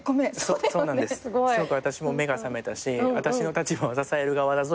すごく私も目が覚めたし私の立場は支える側だぞ